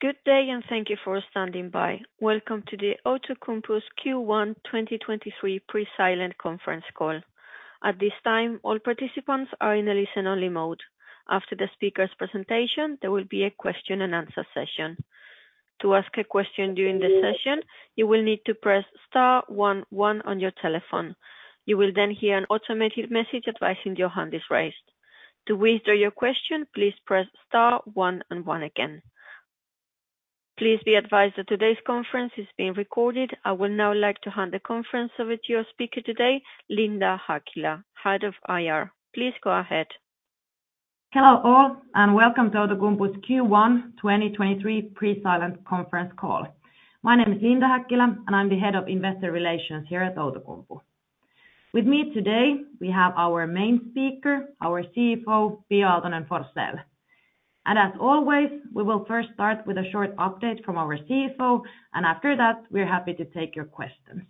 Good day, thank you for standing by. Welcome to the Outokumpu's Q1 2023 pre-silent conference call. At this time, all participants are in a listen-only mode. After the speaker's presentation, there will be a question and answer session. To ask a question during the session, you will need to press star one one on your telephone. You will hear an automated message advising your hand is raised. To withdraw your question, please press star one and one again. Please be advised that today's conference is being recorded. I would now like to hand the conference over to your speaker today, Linda Häkkilä, Head of IR. Please go ahead. Hello all, welcome to Outokumpu's Q1 2023 pre-silent conference call. My name is Linda Häkkilä, and I'm the Head of Investor Relations here at Outokumpu. With me today, we have our main speaker, our CFO, Pia Aaltonen-Forsell. As always, we will first start with a short update from our CFO, and after that, we're happy to take your questions.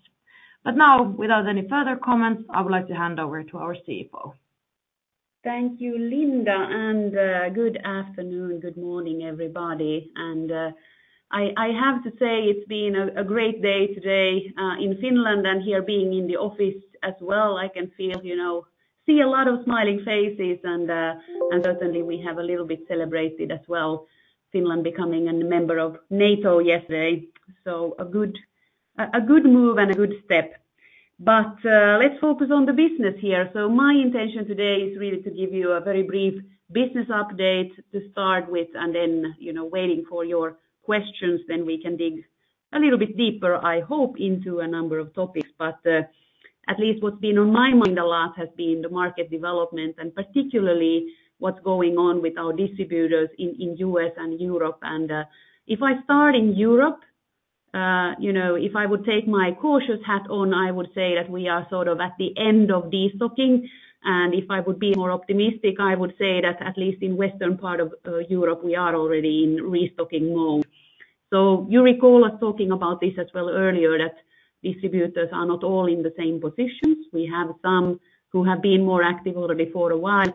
Now, without any further comments, I would like to hand over to our CFO. Thank you, Linda, good afternoon, good morning, everybody. I have to say it's been a great day today in Finland and here being in the office as well. I can feel, you know, see a lot of smiling faces and certainly we have a little bit celebrated as well, Finland becoming a member of NATO yesterday. A good move and a good step. Let's focus on the business here. My intention today is really to give you a very brief business update to start with and then, you know, waiting for your questions, then we can dig a little bit deeper, I hope, into a number of topics. At least what's been on my mind a lot has been the market development and particularly what's going on with our distributors in US and Europe. If I start in Europe, you know, if I would take my cautious hat on, I would say that we are sort of at the end of destocking. If I would be more optimistic, I would say that at least in western part of Europe, we are already in restocking mode. You recall us talking about this as well earlier, that distributors are not all in the same positions. We have some who have been more active already for a while,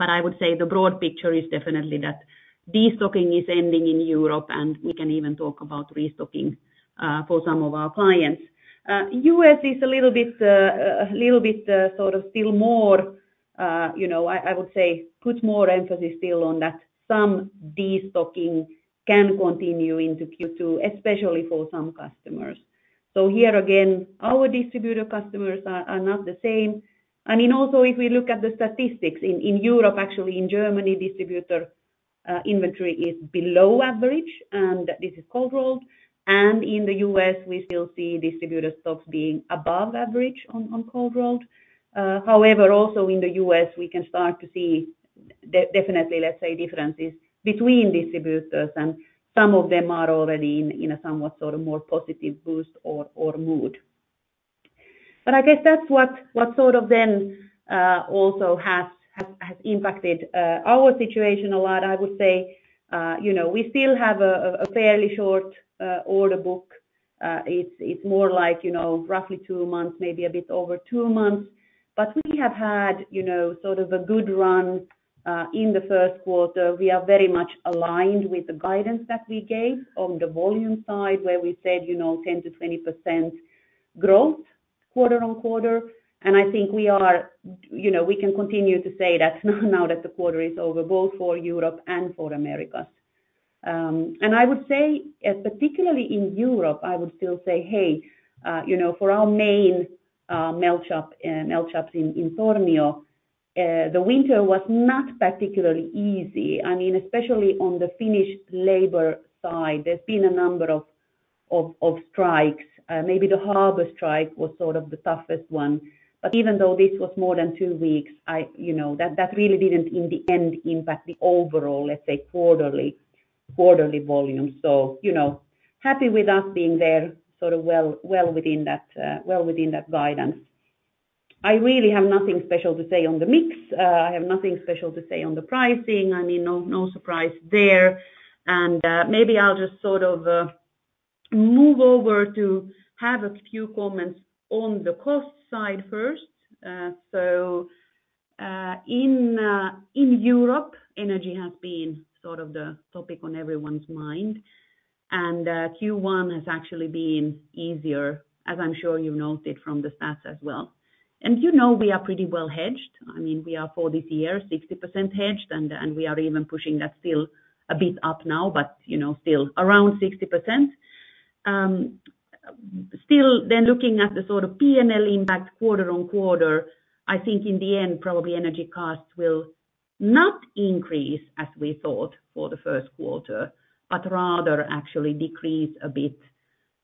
I would say the broad picture is definitely that destocking is ending in Europe, and we can even talk about restocking for some of our clients. US is a little bit, sort of still more, you know, I would say put more emphasis still on that some destocking can continue into Q2, especially for some customers. Here again, our distributor customers are not the same. I mean, also if we look at the statistics in Europe, actually in Germany, distributor inventory is below average, and this is cold-rolled. In the US, we still see distributor stocks being above average on cold-rolled. However, also in the US, we can start to see definitely, let's say, differences between distributors, and some of them are already in a somewhat sort of more positive boost or mood. I guess that's what sort of then also has impacted our situation a lot, I would say. You know, we still have a fairly short order book. It's more like, you know, roughly two months, maybe a bit over two months. We have had, you know, sort of a good run in the Q1. We are very much aligned with the guidance that we gave on the volume side, where we said, you know, 10%-20% growth quarter-on-quarter. I think we are, you know, we can continue to say that now that the quarter is over, both for Europe and for Americas. I would say, particularly in Europe, I would still say, hey, you know, for our main melt shop, melt shops in Tornio, the winter was not particularly easy. I mean, especially on the Finnish labor side, there's been a number of strikes. Maybe the harbor strike was sort of the toughest one. Even though this was more than 2 weeks, I, you know, that really didn't in the end impact the overall, let's say, quarterly volume. You know, happy with us being there sort of well within that guidance. I really have nothing special to say on the mix. I have nothing special to say on the pricing. I mean, no surprise there. Maybe I'll just sort of move over to have a few comments on the cost side first. In Europe, energy has been sort of the topic on everyone's mind, and Q1 has actually been easier, as I'm sure you noted from the stats as well. You know we are pretty well hedged. I mean, we are for this year 60% hedged, and we are even pushing that still a bit up now, but you know, still around 60%. Still then looking at the sort of P&L impact quarter-on-quarter, I think in the end probably energy costs will not increase as we thought for the Q1, but rather actually decrease a bit.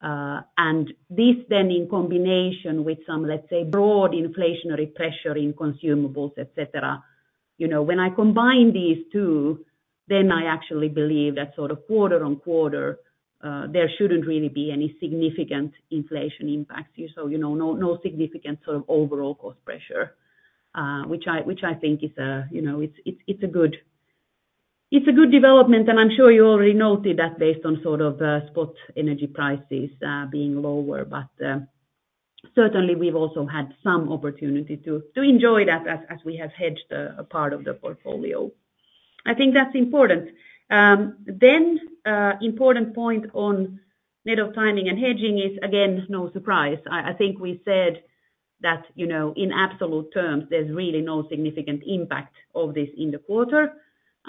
This then in combination with some, let's say, broad inflationary pressure in consumables, et cetera. You know, when I combine these two, I actually believe that sort of quarter on quarter, there shouldn't really be any significant inflation impacts here. You know, no significant sort of overall cost pressure, which I think is a good development, and I'm sure you already noted that based on sort of spot energy prices being lower. Certainly we've also had some opportunity to enjoy that as we have hedged a part of the portfolio. I think that's important. Important point on net of timing and hedging is again, no surprise. I think we said that, you know, in absolute terms, there's really no significant impact of this in the quarter.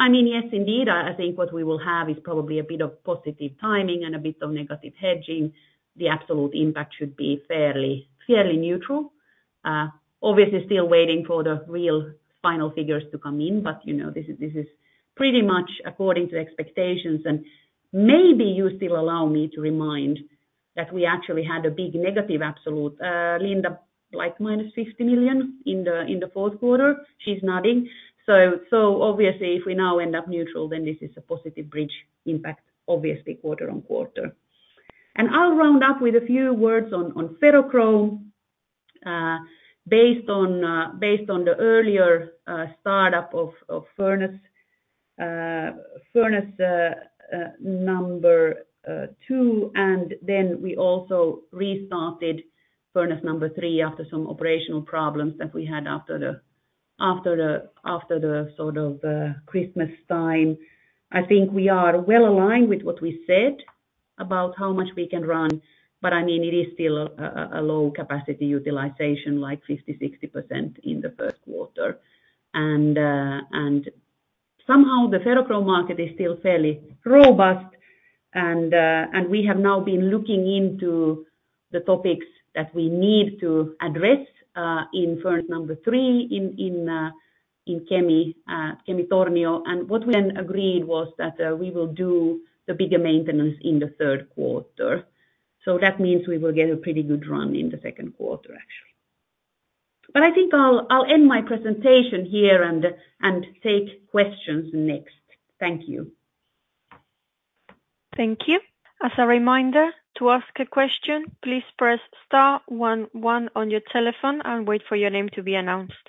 I mean, yes, indeed. I think what we will have is probably a bit of positive timing and a bit of negative hedging. The absolute impact should be fairly neutral. Obviously still waiting for the real final figures to come in, but, you know, this is pretty much according to expectations. Maybe you still allow me to remind that we actually had a big negative absolute, Linda, like minus 50 million in the, in the Q4. She's nodding. Obviously if we now end up neutral, then this is a positive bridge impact, obviously quarter-on-quarter. I'll round up with a few words on ferrochrome, based on the earlier startup of furnace number two, and then we also restarted furnace number three after some operational problems that we had after the sort of Christmas time. I think we are well aligned with what we said about how much we can run, but I mean, it is still a low capacity utilization, like 50%-60% in the Q1. Somehow the ferrochrome market is still fairly robust and we have now been looking into the topics that we need to address in furnace number three in Kemi Tornio. What we then agreed was that, we will do the bigger maintenance in the Q3. That means we will get a pretty good run in the Q2 actually. I think I'll end my presentation here and take questions next. Thank you. Thank you. As a reminder, to ask a question, please press star one one on your telephone and wait for your name to be announced.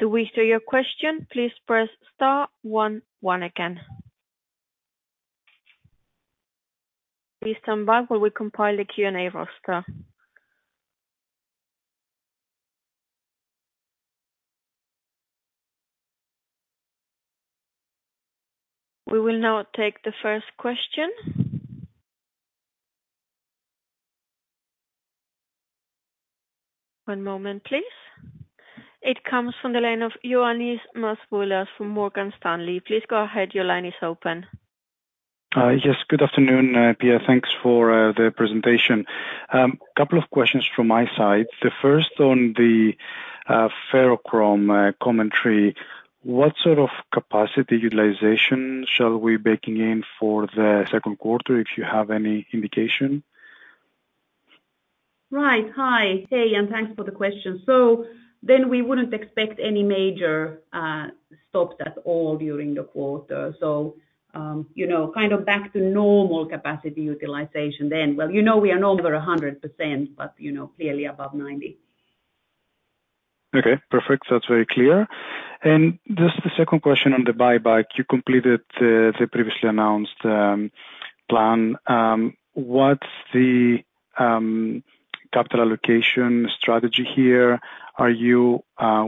To withdraw your question, please press star one one again. Please stand by while we compile a Q&A roster. We will now take the first question. One moment, please. It comes from the line of Ioannis Masvoulas from Morgan Stanley. Please go ahead. Your line is open. Yes, good afternoon, Pia. Thanks for the presentation. Couple of questions from my side. The first on the ferrochrome commentary. What sort of capacity utilization shall we be baking in for the Q2, if you have any indication? Right. Hi. Hey, thanks for the question. We wouldn't expect any major stops at all during the quarter. You know, kind of back to normal capacity utilization then. Well, you know, we are no longer 100%, but you know, clearly above 90. Okay, perfect. That's very clear. Just the second question on the buyback, you completed the previously announced plan. What's the capital allocation strategy here? Are you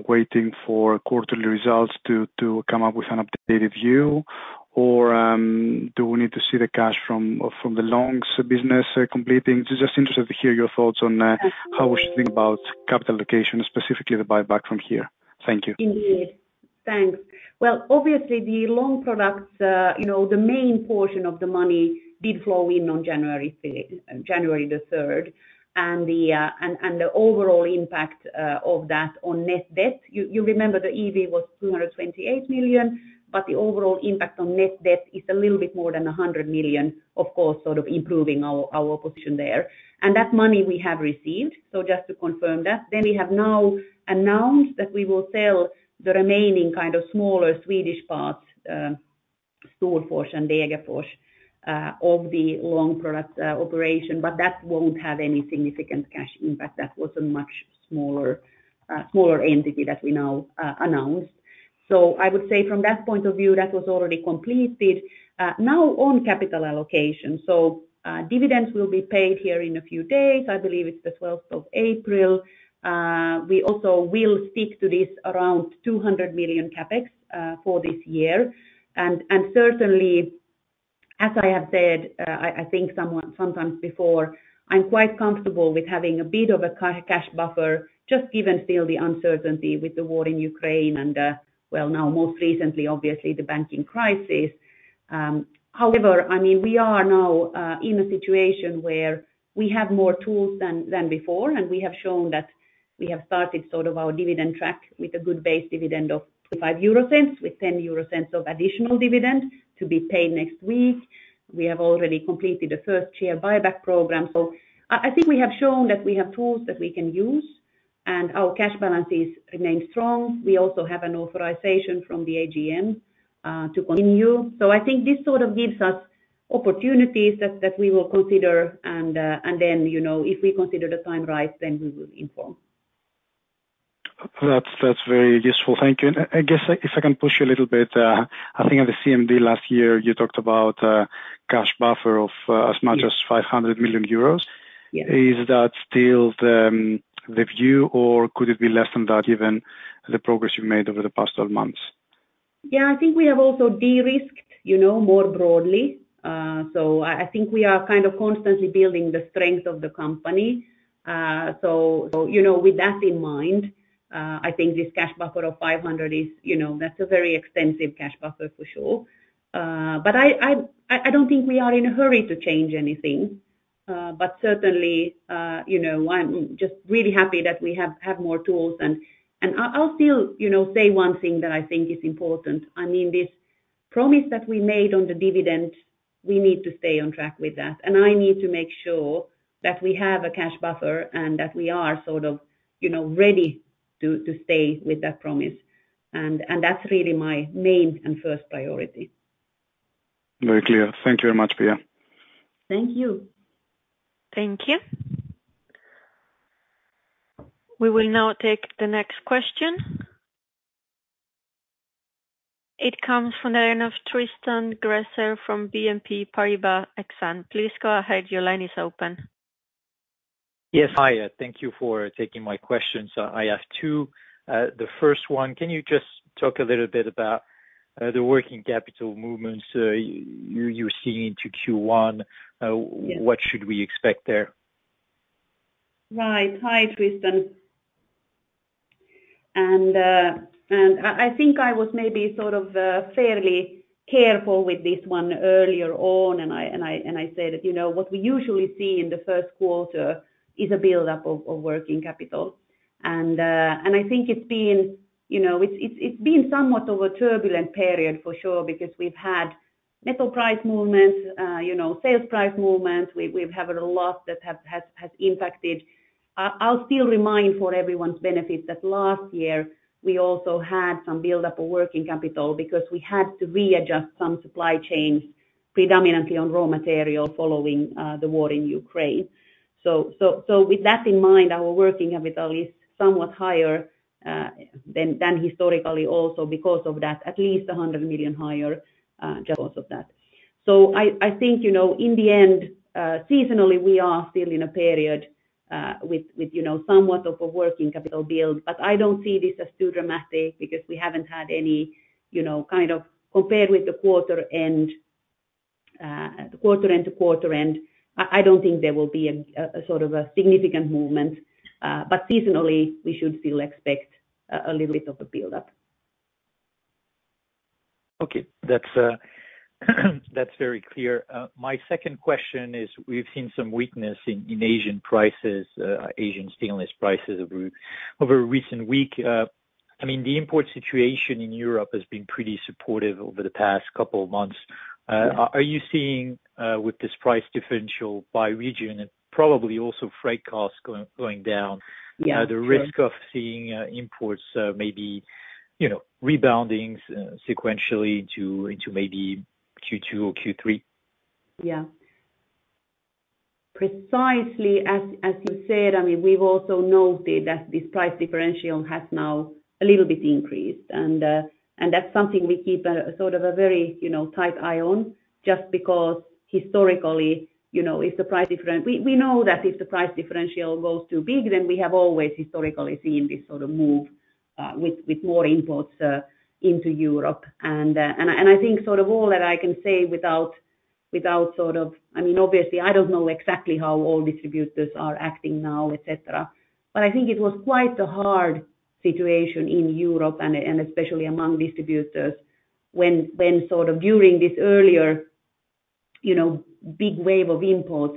waiting for quarterly results to come up with an updated view, or do we need to see the cash from the Long Products business completing? Just interested to hear your thoughts on how we should think about capital allocation, specifically the buyback from here. Thank you. Indeed. Thanks. Obviously the Long Products, you know, the main portion of the money did flow in on January the 3rd. The overall impact of that on net debt, you remember the EV was 228 million, but the overall impact on net debt is a little bit more than 100 million, of course, sort of improving our position there. That money we have received, just to confirm that. We have now announced that we will sell the remaining kind of smaller Swedish parts, Storfors and Degerfors, of the Long Products operation, but that won't have any significant cash impact. That was a much smaller entity that we now announced. I would say from that point of view, that was already completed. Now on capital allocation. Dividends will be paid here in a few days. I believe it's the 12th of April. We also will stick to this around 200 million CapEx for this year. Certainly as I have said sometimes before, I'm quite comfortable with having a bit of a cash buffer, just given still the uncertainty with the war in Ukraine and, well now most recently, obviously the banking crisis. However, I mean, we are now in a situation where we have more tools than before, and we have shown that we have started sort of our dividend track with a good base dividend of 0.05 with 0.10 of additional dividend to be paid next week. We have already completed the first share buyback program. I think we have shown that we have tools that we can use and our cash balance is remained strong. We also have an authorization from the AGM to continue. I think this sort of gives us opportunities that we will consider and then, you know, if we consider the time right, then we will inform. That's very useful. Thank you. I guess if I can push you a little bit, I think at the CMD last year you talked about cash buffer of as much as 500 million euros. Yeah. Is that still the view, or could it be less than that given the progress you've made over the past 12 months? I think we have also de-risked, you know, more broadly. I think we are kind of constantly building the strength of the company. You know, with that in mind, I think this cash buffer of 500 is, you know, that's a very extensive cash buffer for sure. I don't think we are in a hurry to change anything. Certainly, you know, I'm just really happy that we have more tools. I'll still, you know, say one thing that I think is important. I mean, this promise that we made on the dividend, we need to stay on track with that. I need to make sure that we have a cash buffer and that we are sort of, you know, ready to stay with that promise. That's really my main and first priority. Very clear. Thank you very much, Pia. Thank you. Thank you. We will now take the next question. It comes from the line of Tristan Gresser from BNP Paribas Exane. Please go ahead. Your line is open. Yes. Hi. Thank you for taking my questions. I have two. The first one, can you just talk a little bit about the working capital movements you're seeing into Q1? Yes. What should we expect there? Right. Hi, Tristan. I think I was maybe sort of fairly careful with this one earlier on, and I said, you know, what we usually see in the Q1 is a build-up of working capital. I think it's been, you know, it's been somewhat of a turbulent period for sure, because we've had metal price movements, you know, sales price movements. We've had a lot that has impacted. I'll still remind for everyone's benefit that last year we also had some build-up of working capital because we had to readjust some supply chains predominantly on raw material following the war in Ukraine. With that in mind, our working capital is somewhat higher than historically also because of that, at least 100 million higher because of that. I think, you know, in the end, seasonally, we are still in a period with, you know, somewhat of a working capital build. I don't see this as too dramatic because we haven't had any, you know, kind of compared with the quarter end. Quarter end to quarter end, I don't think there will be a sort of a significant movement. Seasonally, we should still expect a little bit of a build-up. Okay. That's, that's very clear. My second question is we've seen some weakness in Asian prices, Asian stainless prices over recent week. I mean, the import situation in Europe has been pretty supportive over the past couple of months. Yeah. Are you seeing, with this price differential by region and probably also freight costs going down? Yeah, sure.... the risk of seeing imports, maybe, you know, reboundings, sequentially into maybe Q2 or Q3? Yeah. Precisely as you said, I mean, we've also noted that this price differential has now a little bit increased. That's something we keep a sort of a very, you know, tight eye on, just because historically, you know, we know that if the price differential goes too big, then we have always historically seen this sort of move with more imports into Europe. I think sort of all that I can say without sort of... I mean, obviously, I don't know exactly how all distributors are acting now, et cetera. I think it was quite a hard situation in Europe and especially among distributors when sort of during this earlier, you know, big wave of imports,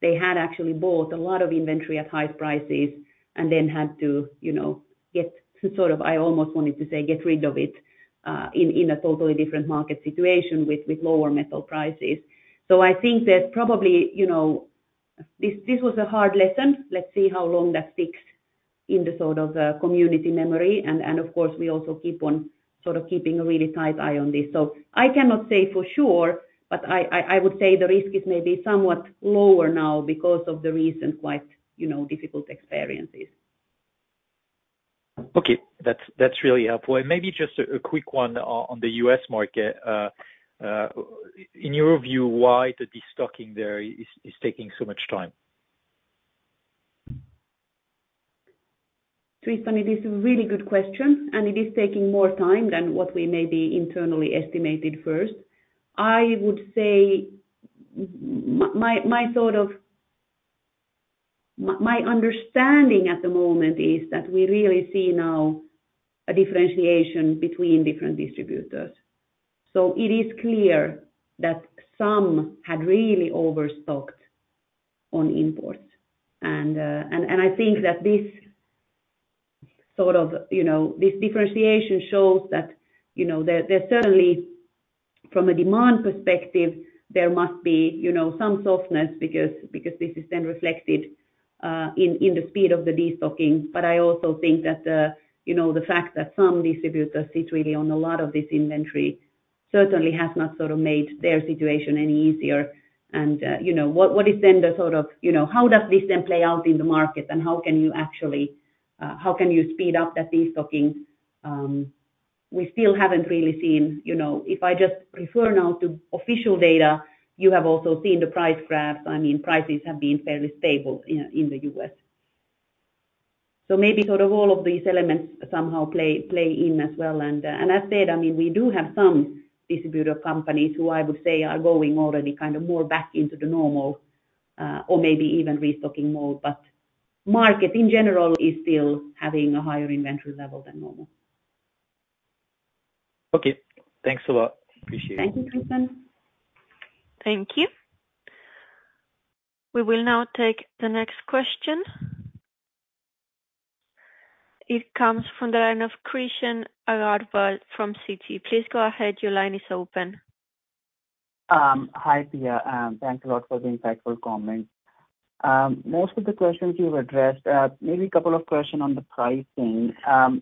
they had actually bought a lot of inventory at high prices and then had to, you know, get sort of I almost wanted to say, get rid of it in a totally different market situation with lower metal prices. I think that probably, you know, this was a hard lesson. Let's see how long that sticks in the sort of community memory. Of course, we also keep on sort of keeping a really tight eye on this. I cannot say for sure, but I would say the risk is maybe somewhat lower now because of the recent quite, you know, difficult experiences. Okay. That's really helpful. Maybe just a quick one on the US market. In your view, why the destocking there is taking so much time? Tristan, it is a really good question, and it is taking more time than what we maybe internally estimated first. I would say my understanding at the moment is that we really see now a differentiation between different distributors. It is clear that some had really overstocked on imports. I think that this sort of, you know, this differentiation shows that, you know, there certainly from a demand perspective, there must be, you know, some softness because this is then reflected in the speed of the destocking. I also think that, you know, the fact that some distributors sit really on a lot of this inventory certainly has not sort of made their situation any easier. You know, what is then the sort of, you know, how does this then play out in the market and how can you actually, how can you speed up that destocking. We still haven't really seen, you know, if I just refer now to official data, you have also seen the price graphs. I mean, prices have been fairly stable in the US. Maybe sort of all of these elements somehow play in as well. As said, I mean, we do have some distributor companies who I would say are going already kind of more back into the normal, or maybe even restocking more. Market in general is still having a higher inventory level than normal. Okay, thanks a lot. Appreciate it. Thank you, Tristan. Thank you. We will now take the next question. It comes from the line of Krishan Agarwal from Citi. Please go ahead. Your line is open. Hi, Pia. Thanks a lot for the insightful comments. Most of the questions you've addressed. Maybe a couple of question on the pricing. I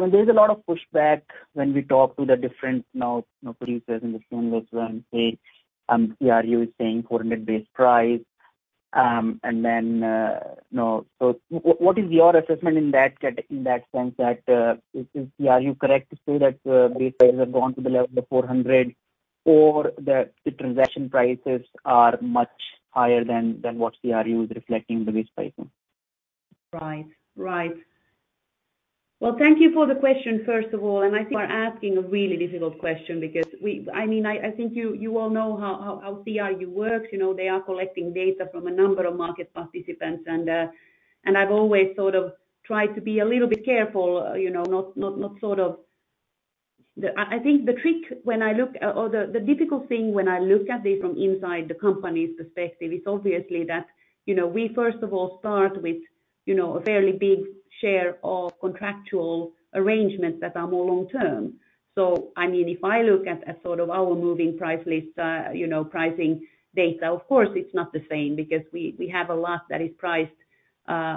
mean, there is a lot of pushback when we talk to the different now, you know, producers and distributors and say, CRU is saying $400 base price. You know. What is your assessment in that sense that, is CRU correct to say that, base prices have gone to the level of $400 or that the transaction prices are much higher than what CRU is reflecting the base pricing? Right. Right. Well, thank you for the question, first of all. I think we're asking a really difficult question because I mean, I think you all know how CRU works. You know, they are collecting data from a number of market participants. I've always sort of tried to be a little bit careful, you know. I think the trick when I look or the difficult thing when I look at this from inside the company's perspective is obviously that, you know, we first of all start with, you know, a fairly big share of contractual arrangements that are more long-term. I mean, if I look at sort of our moving price list, you know, pricing data, of course it's not the same because we have a lot that is priced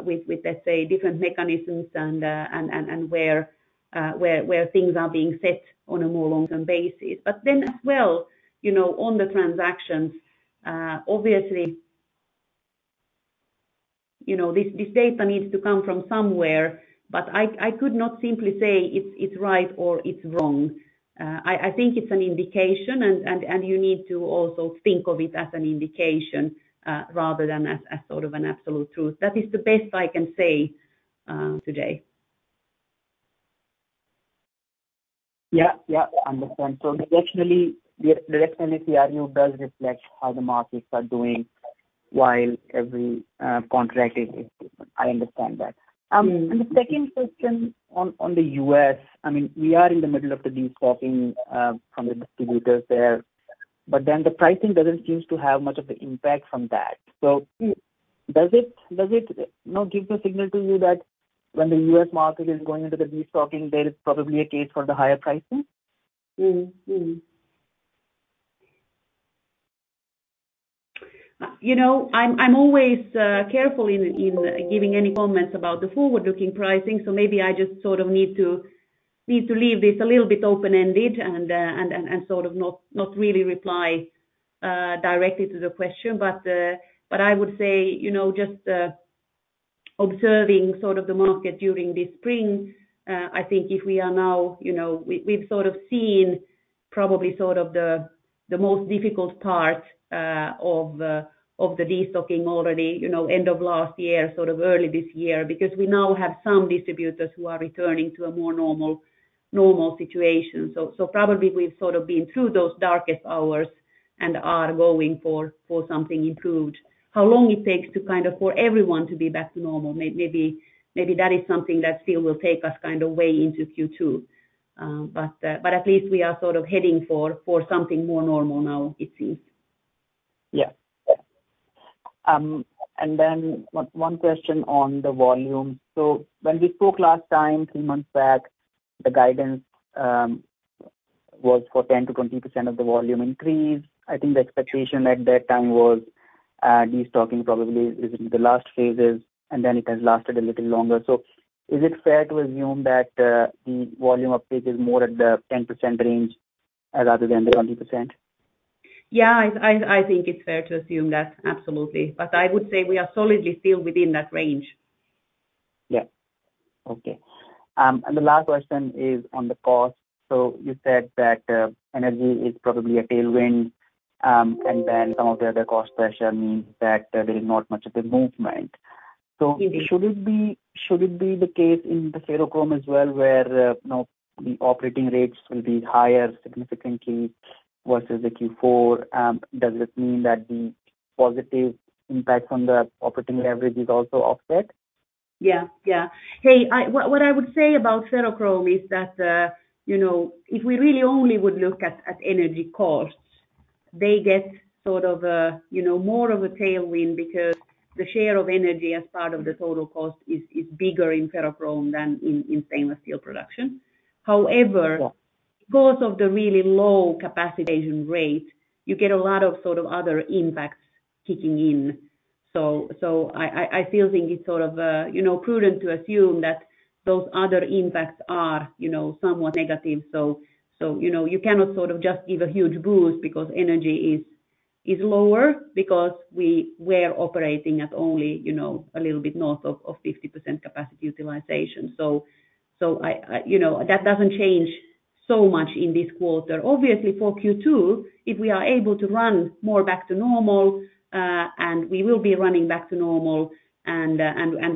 with, let's say, different mechanisms and where things are being set on a more long-term basis. As well, you know, on the transactions, obviously, you know, this data needs to come from somewhere, but I could not simply say it's right or it's wrong. I think it's an indication and you need to also think of it as an indication rather than as sort of an absolute truth. That is the best I can say today. Yeah. Yeah, understand. Actually the reference to CRU does reflect how the markets are doing while every contract is different. I understand that. The second question on the US, I mean, we are in the middle of the destocking from the distributors there, the pricing doesn't seem to have much of the impact from that? Does it, you know, give the signal to you that when the U.S. market is going into the destocking, there is probably a case for the higher pricing? You know, I'm always careful in giving any comments about the forward-looking pricing. Maybe I just sort of need to leave this a little bit open-ended and sort of not really reply directly to the question. I would say, you know, just observing sort of the market during this spring, I think if we are now, you know, we've sort of seen probably sort of the most difficult part of the destocking already, you know, end of last year, sort of early this year. We now have some distributors who are returning to a more normal situation. Probably we've sort of been through those darkest hours and are going for something improved. How long it takes to kind of for everyone to be back to normal, maybe that is something that still will take us kind of way into Q2. At least we are sort of heading for something more normal now it seems. Yeah. Yeah. One question on the volume. When we spoke last time, three months back, the guidance was for 10%-20% of the volume increase. I think the expectation at that time was, destocking probably is in the last phases, and then it has lasted a little longer. Is it fair to assume that the volume uptake is more at the 10% range rather than the 20%? Yeah, I think it's fair to assume that, absolutely. I would say we are solidly still within that range. Yeah. Okay. The last question is on the cost. You said that energy is probably a tailwind, some of the other cost pressure means that there is not much of a movement. Should it be the case in the ferrochrome as well, where, you know, the operating rates will be higher significantly versus the Q4? Does it mean that the positive impact on the operating leverage is also offset? Yeah. Yeah. Hey, What I would say about ferrochrome is that, you know, if we really only would look at energy costs, they get sort of a, you know, more of a tailwind because the share of energy as part of the total cost is bigger in ferrochrome than in stainless steel production. Yeah ...because of the really low capacitation rate, you get a lot of sort of other impacts kicking in. I still think it's sort of, you know, prudent to assume that those other impacts are, you know, somewhat negative. You know, you cannot sort of just give a huge boost because energy is lower because we were operating at only, you know, a little bit north of 50% capacity utilization. I, you know, that doesn't change so much in this quarter. Obviously for Q2, if we are able to run more back to normal, and we will be running back to normal and,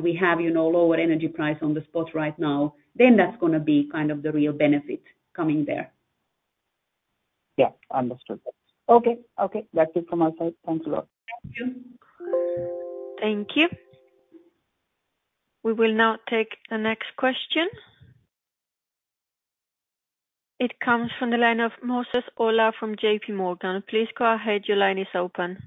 we have, you know, lower energy price on the spot right now, then that's gonna be kind of the real benefit coming there. Yeah. Understood. Okay. Okay. That's it from my side. Thanks a lot. Thank you. Thank you. We will now take the next question. It comes from the line of Moses Ola from JP Morgan. Please go ahead. Your line is open.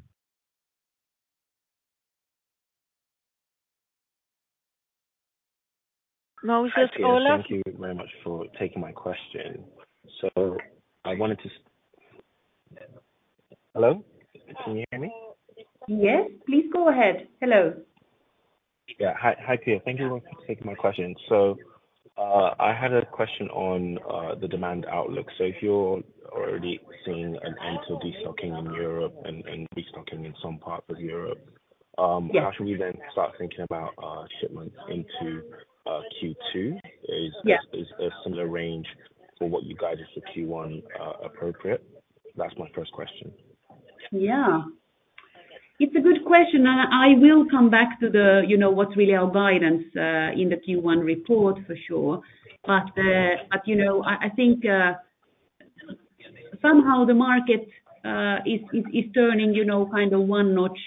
Moses Ola. Hi, Pia. Thank you very much for taking my question. Hello, can you hear me? Yes, please go ahead. Hello. Yeah. Hi, Pia. Thank you very much for taking my question. I had a question on the demand outlook. If you're already seeing an end to destocking in Europe and restocking in some parts of Europe, Yeah. How should we start thinking about shipments into Q2? Yeah. -is a similar range for what you guided for Q1, appropriate? That's my first question. Yeah. It's a good question, and I will come back to the, you know, what's really our guidance in the Q1 report for sure. You know, I think, somehow the market is turning, you know, kind of one notch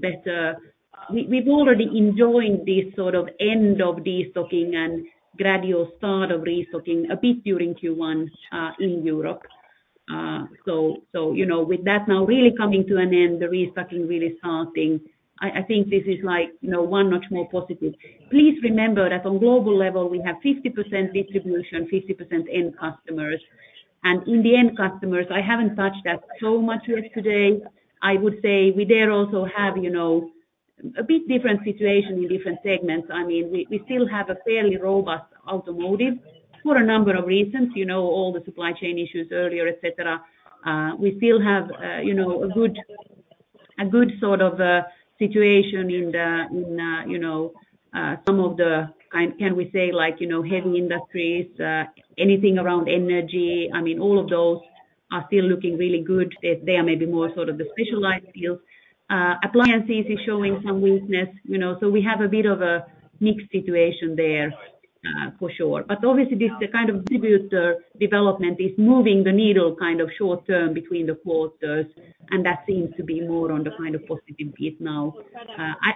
better. We've already enjoying this sort of end of destocking and gradual start of restocking a bit during Q1 in Europe. You know, wit h that now really coming to an end, the restocking really starting, I think this is like, you know, one notch more positive. Please remember that on global level we have 50% distribution, 50% end customers. In the end customers, I haven't touched that so much yet today. I would say we there also have, you know, a bit different situation in different segments. I mean, we still have a fairly robust automotive for a number of reasons, you know, all the supply chain issues earlier, et cetera. We still have, you know, a good sort of situation in the, you know, Can we say like, you know, heavy industries, anything around energy. I mean, all of those are still looking really good. They are maybe more sort of the specialized fields. Appliances is showing some weakness, you know. We have a bit of a mixed situation there, for sure. Obviously this kind of distributor development is moving the needle kind of short term between the quarters, and that seems to be more on the kind of positive bit now.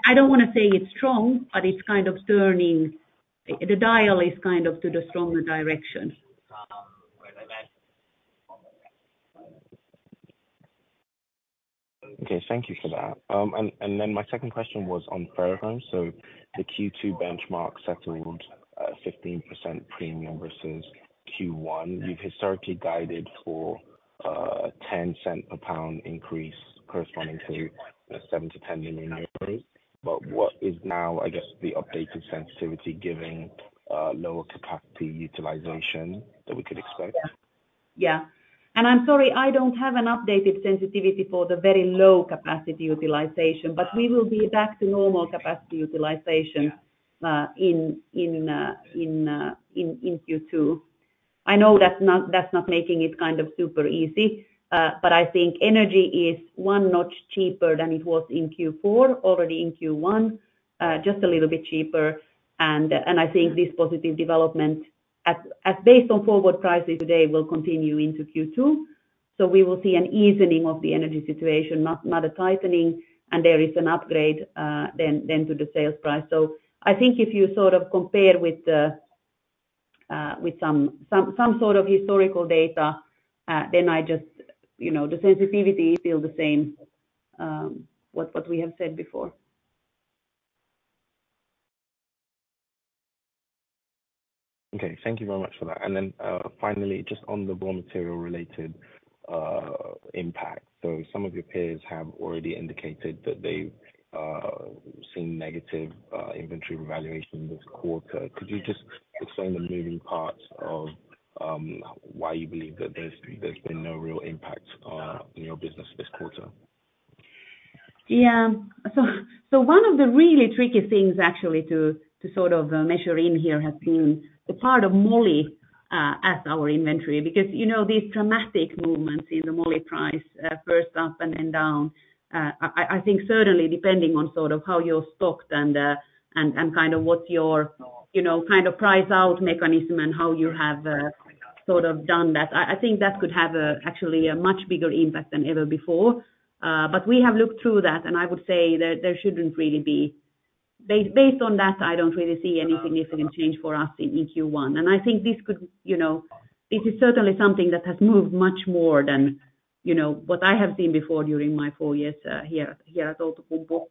I don't wanna say it's strong, but it's kind of turning... The dial is kind of to the stronger direction. Okay, thank you for that. My second question was on ferrochrome. The Q2 benchmark settled a 15% premium versus Q1. You've historically guided for a 10 cent per pound increase corresponding to 7 million-10 million euros. What is now, I guess, the updated sensitivity giving lower capacity utilization that we could expect? Yeah. I'm sorry, I don't have an updated sensitivity for the very low capacity utilization, but we will be back to normal capacity utilization in Q2. I know that's not making it kind of super easy, but I think energy is one notch cheaper than it was in Q4, already in Q1, just a little bit cheaper. I think this positive development as based on forward prices today, will continue into Q2. We will see an easing of the energy situation, not a tightening. There is an upgrade then to the sales price. I think if you sort of compare with the, with some, some sort of historical data, then I just, you know, the sensitivity feel the same, what we have said before. Okay. Thank you very much for that. Then, finally, just on the raw material related impact. Some of your peers have already indicated that they've seen negative inventory valuation this quarter. Could you just explain the moving parts of why you believe that there's been no real impact in your business this quarter? One of the really tricky things actually to sort of measure in here has been the part of moly as our inventory. You know, these dramatic movements in the moly price, first up and then down, I think certainly depending on sort of how you're stocked and kind of what your, you know, kind of price out mechanism and how you have, sort of done that, I think that could have a, actually a much bigger impact than ever before. We have looked through that, and I would say there shouldn't really be. Based on that, I don't really see any significant change for us in Q1. I think this could, you know, this is certainly something that has moved much more than, you know, what I have seen before during my 4 years here at Outokumpu.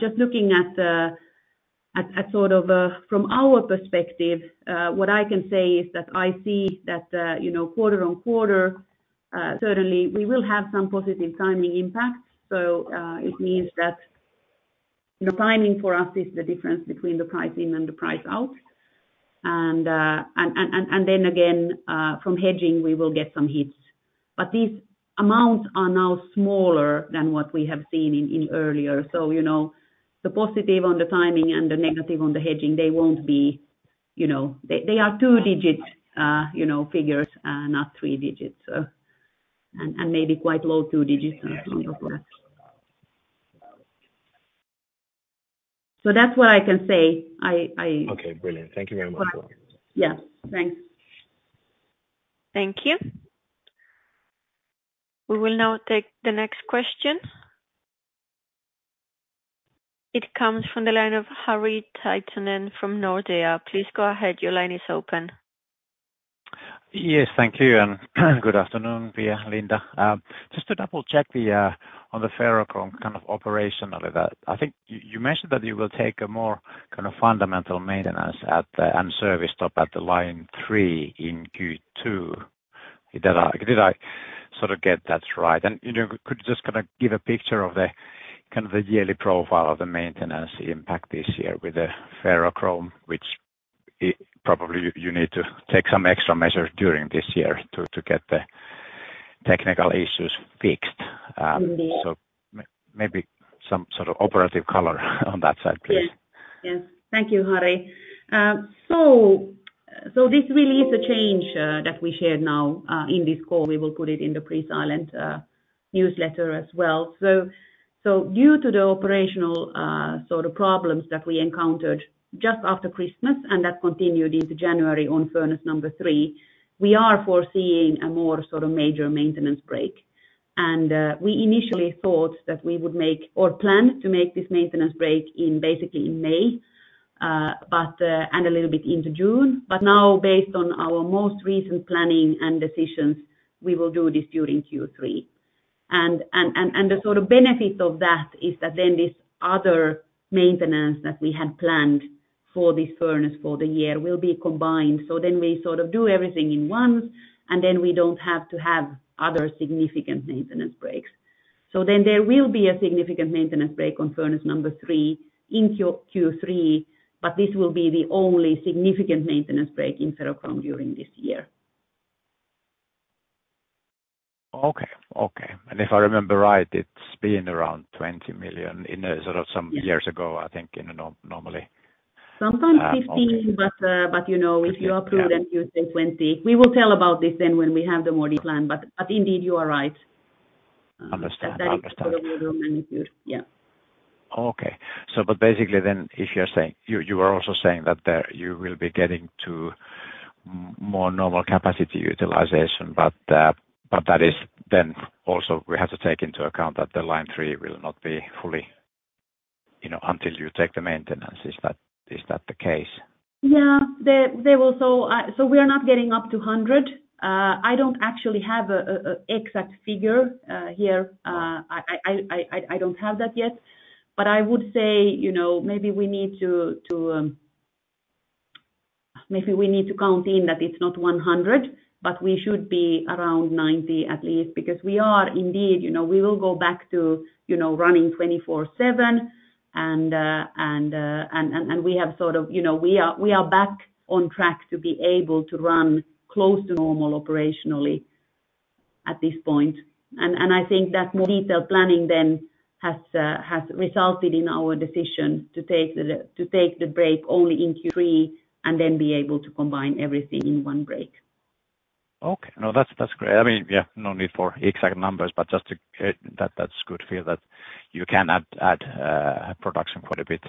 Just looking at sort of from our perspective, what I can say is that I see that, you know, quarter on quarter, certainly we will have some positive timing impacts. It means that the timing for us is the difference between the price in and the price out. From hedging, we will get some hits. These amounts are now smaller than what we have seen in earlier. You know, the positive on the timing and the negative on the hedging, they won't be, you know. They are two-digit, you know, figures and not three digits, and maybe quite low two digits. That's what I can say. Okay, brilliant. Thank you very much. Yeah. Thanks. Thank you. We will now take the next question. It comes from the line of Harri Taittonen from Nordea. Please go ahead. Your line is open. Yes, thank you and good afternoon, Pia, Linda. Just to double-check the on the ferrochrome kind of operationally that I think you mentioned that you will take a more kind of fundamental maintenance and service stop at the line three in Q2. Did I sort of get that right? You know, could you just kinda give a picture of the kind of the yearly profile of the maintenance impact this year with the ferrochrome, which it probably you need to take some extra measures during this year to get the technical issues fixed. Indeed. Maybe some sort of operative color on that side, please. Yes. Thank you, Harri. So this really is a change that we share now in this call. We will put it in the pre-silent newsletter as well. Due to the operational sort of problems that we encountered just after Christmas, and that continued into January on furnace number three, we are foreseeing a more sort of major maintenance break. We initially thought that we would make or plan to make this maintenance break in basically in May, but and a little bit into June. Now, based on our most recent planning and decisions, we will do this during Q3. The sort of benefit of that is that then this other maintenance that we had planned for this furnace for the year will be combined. We sort of do everything in once, we don't have to have other significant maintenance breaks. There will be a significant maintenance break on furnace number three in Q3, but this will be the only significant maintenance break in ferrochrome during this year. Okay. Okay. If I remember right, it's been around 20 million in a sort of some years ago, I think normally. Sometimes 15, but, you know, if you approve, then you say 20. We will tell about this then when we have the more decline. Indeed, you are right. Understand. Understand. That is sort of the magnitude. Yeah. Basically then if you're saying... You are also saying that you will be getting to more normal capacity utilization, but that is then also we have to take into account that the line 3 will not be fully, you know, until you take the maintenance. Is that, is that the case? Yeah. There will. We are not getting up to 100. I don't actually have an exact figure here. I don't have that yet. I would say, you know, maybe we need to, maybe we need to count in that it's not 100, but we should be around 90 at least because we are indeed, you know, we will go back to, you know, running 24/7. We have sort of... You know, we are back on track to be able to run close to normal operationally at this point. I think that more detailed planning then has resulted in our decision to take the break only in Q3 and then be able to combine everything in 1 break. Okay. No, that's great. I mean, yeah, no need for exact numbers, but that's good to hear that you can add production quite a bit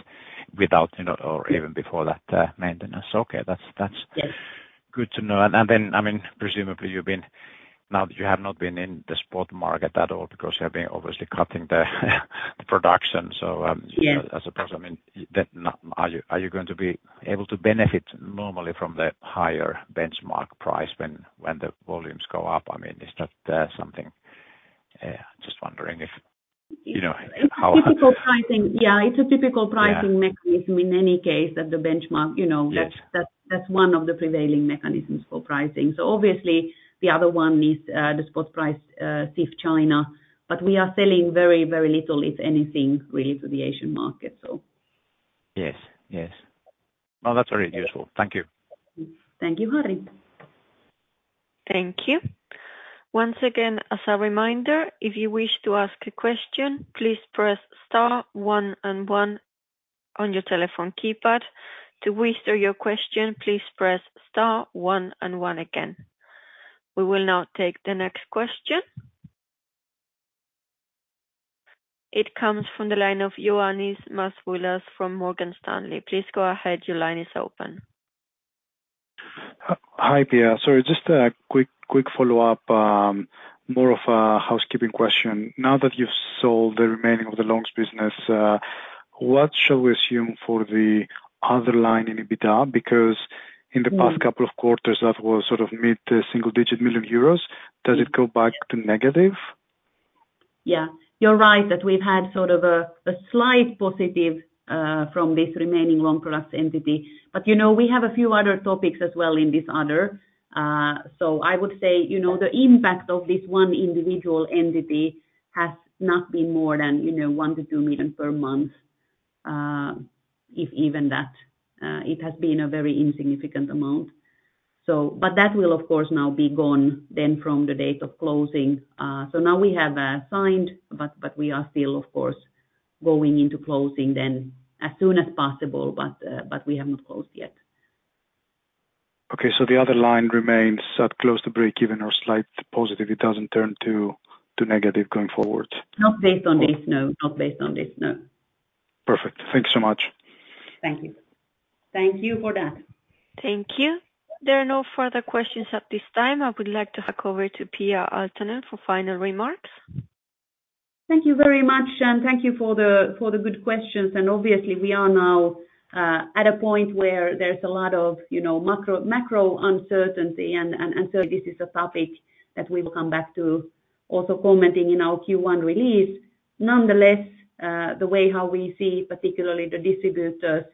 without, you know, or even before that maintenance. Okay. That's. Yes. Good to know. I mean, presumably now that you have not been in the spot market at all because you have been obviously cutting the production. Yes. as opposed, I mean, then are you going to be able to benefit normally from the higher benchmark price when the volumes go up? I mean, is that something? Just wondering if, you know. It's a typical pricing... Yeah, it's a typical. Yeah. -mechanism in any case at the benchmark. You know... Yes. That's one of the prevailing mechanisms for pricing. Obviously the other one is the spot price, CIF China. We are selling very, very little, if anything, really to the Asian market. Yes. Yes. Well, that's very useful. Thank you. Thank you, Harri Thank you. Once again, as a reminder, if you wish to ask a question, please press star one and one on your telephone keypad. To withdraw your question, please press star one and one again. We will now take the next question. It comes from the line of Ioannis Masvoulas from Morgan Stanley. Please go ahead. Your line is open. Hi, Pia. Sorry, just a quick follow-up, more of a housekeeping question. Now that you've sold the remaining of the Long Products business? What shall we assume for the other line in EBITDA? In the past couple of quarters, that was sort of mid-single digit million EUR. Does it go back to negative? Yeah. You're right that we've had sort of a slight positive from this remaining Long Products entity. You know, we have a few other topics as well in this other. I would say, you know, the impact of this one individual entity has not been more than, you know, 1 million-2 million per month, if even that. It has been a very insignificant amount. That will, of course, now be gone then from the date of closing. Now we have signed, but we are still, of course, going into closing then as soon as possible, but we haven't closed yet. Okay. The other line remains at close to breakeven or slight positive. It doesn't turn to negative going forward. Not based on this, no. Not based on this, no. Perfect. Thank you so much. Thank you. Thank you for that. Thank you. There are no further questions at this time. I would like to hand over to Pia Aaltonen for final remarks. Thank you very much, thank you for the good questions. Obviously, we are now at a point where there's a lot of, you know, macro uncertainty. This is a topic that we will come back to also commenting in our Q1 release. Nonetheless, the way how we see, particularly the distributors,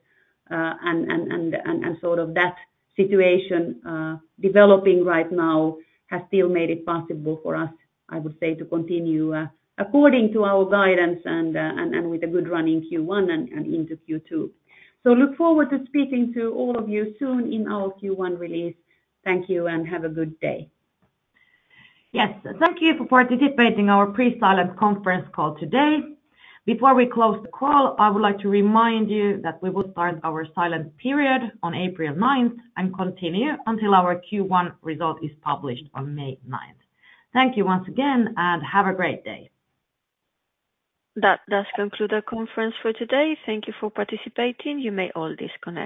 and sort of that situation developing right now has still made it possible for us, I would say, to continue according to our guidance and with a good run in Q1 and into Q2. Look forward to speaking to all of you soon in our Q1 release. Thank you and have a good day. Yes. Thank you for participating in our pre-silent conference call today. Before we close the call, I would like to remind you that we will start our silent period on April ninth and continue until our Q1 result is published on May ninth. Thank you once again, have a great day. That does conclude our conference for today. Thank you for participating. You may all disconnect.